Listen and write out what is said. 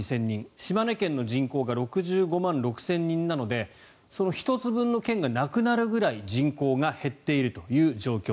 島根県の人口が６５万６０００人なのでその１つ分の県がなくなるくらい人口が減っているという状況。